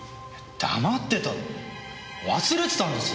黙ってたって忘れてたんです！